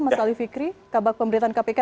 mas ali fikri kabak pemberitaan kpk